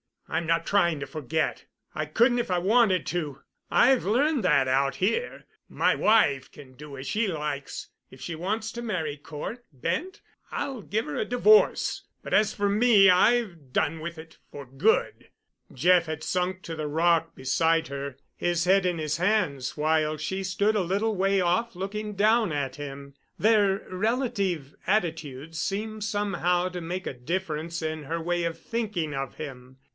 I'm not trying to forget. I couldn't if I wanted to. I've learned that out here. My wife can do as she likes. If she wants to marry Cort Bent I'll give her a divorce, but as for me, I've done with it—for good." Jeff had sunk to the rock beside her, his head in his hands, while she stood a little way off looking down at him. Their relative attitudes seemed somehow to make a difference in her way of thinking of him.